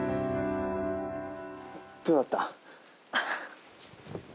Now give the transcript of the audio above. どうだった？